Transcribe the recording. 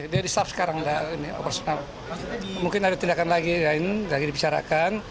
dia disaf sekarang mungkin ada tindakan lagi yang dibicarakan